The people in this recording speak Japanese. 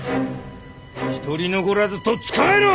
一人残らずとっ捕まえろ！